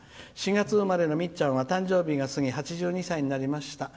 ４月生まれの、みっちゃんは誕生日が過ぎ８２歳になりました。